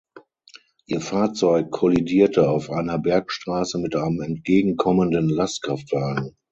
Ihr Fahrzeug kollidierte auf einer Bergstraße mit einem entgegen kommenden Lastkraftwagen.